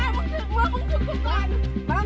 ะมึงถึงก็กันน่ะ